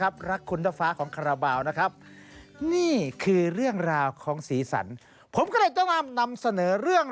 ถ้าคุณนั่งเครื่องบินแล้วเห็นเครื่องบินอีกลำนึงผ่านมาแบบนี้